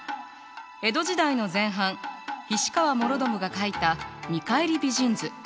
江戸時代の前半菱川師宣が描いた「見返り美人図」。